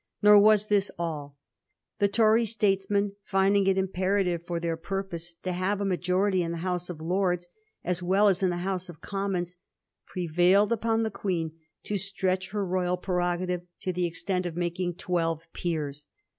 Nor was this all : the Tory statesmen finding it imperative for their purpose to have a majority in the House of Lords, as well as in the House of Commons, prevailed upon the Queen to stretch her royal prerogative to the extent of making twelve peers.